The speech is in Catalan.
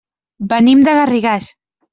Venim de Garrigàs.